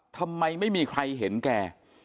ทำไมไม่มีใครเห็นแก